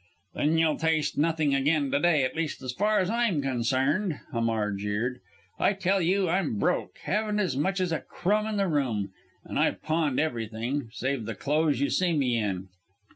"Then you'll taste nothing again to day at least as far as I'm concerned," Hamar jeered. "I tell you I'm broke haven't as much as a crumb in the room; and I've pawned everything, save the clothes you see me in!"